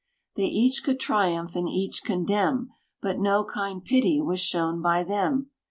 They each could triumph, and each condemn; But no kind pity was shown by them.